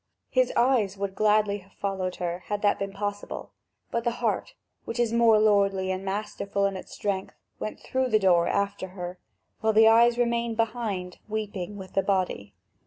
His eyes would gladly have followed her, had that been possible; but the heart, which is more lordly and masterful in its strength, went through the door after her, while the eyes remained behind weeping with the body.